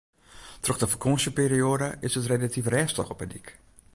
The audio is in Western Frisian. Troch de fakânsjeperioade is it relatyf rêstich op 'e dyk.